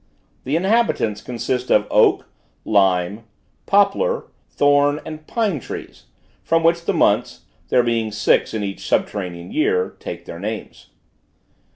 The inhabitants consist of oak, lime, poplar, thorn, and pine trees, from which the months there being six in each subterranean year take their names.